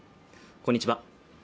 こんにちは